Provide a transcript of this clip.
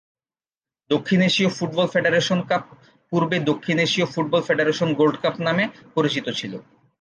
দক্ষিণ এশীয় football federation cup পূর্বে "দক্ষিণ এশীয় ফুটবল ফেডারেশন গোল্ড কাপ" নামে পরিচিত ছিল।